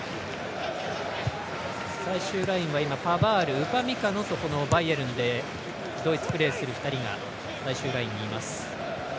最終ラインはパバール、ウパミカノでバイエルンでプレーする２人が最終ラインにいます。